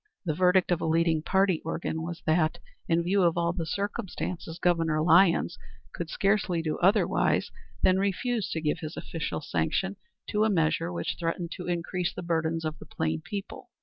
The verdict of a leading party organ was that, in view of all the circumstances, Governor Lyons could scarcely do otherwise than refuse to give his official sanction to a measure which threatened to increase the burdens of the plain people.